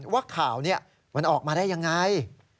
ว่าข่าวนี้มันออกมาได้ยังไง